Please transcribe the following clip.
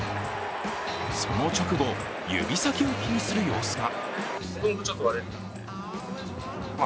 その直後、指先を気にする様子が。